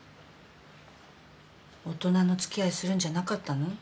大人の付き合いするんじゃなかったの？